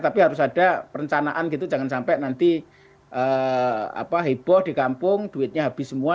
tapi harus ada perencanaan gitu jangan sampai nanti heboh di kampung duitnya habis semua